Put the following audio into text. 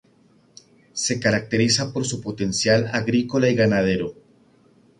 Se caracteriza por su potencial agrícola y ganadero.